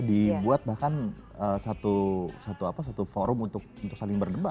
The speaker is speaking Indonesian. dibuat bahkan satu forum untuk saling berdebat